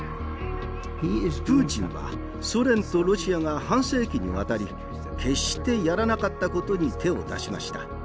プーチンはソ連とロシアが半世紀にわたり決してやらなかったことに手を出しました。